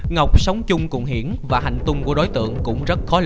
ngọc sống chung cùng hiển và hành tung của đối tượng cũng rất khó